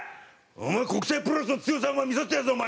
国際プロレスの強さを見せてやるぞお前！」